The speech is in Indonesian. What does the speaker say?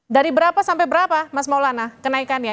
dari berapa sampai berapa mas maulana kenaikannya